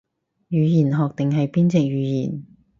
語言學定係邊隻語言